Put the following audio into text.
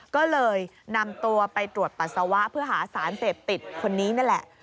ก็เลยนำตัวไปตรวจปัสสาวะเพื่อหาสารเสพติดคนนี้นั่นแหละ